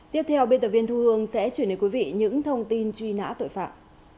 tiếp theo biên tập viên thu hương sẽ chuyển đến quý vị những thông tin truy nã tội phạm